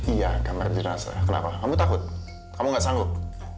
iya kamar jenazah kenapa kamu takut kamu gak sanggup